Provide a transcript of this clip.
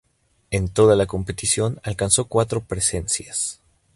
En toda la competición alcanzó cuatro presencias.